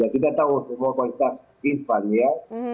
ya kita tahu semua kualitas irfan ya